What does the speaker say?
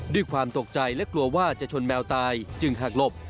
ด้วยความตกใจและกลัวว่าจะชนแมวตายจึงหากหลบ